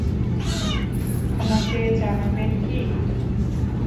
আমাকে জানাবেন কি?